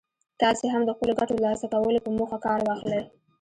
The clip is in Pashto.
تاسې هم د خپلو ګټو ترلاسه کولو په موخه کار واخلئ.